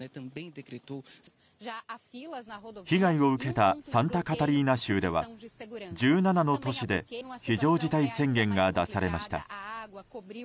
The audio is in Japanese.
被害を受けたサンタカタリーナ州では１７の都市で非常事態宣言が出されました。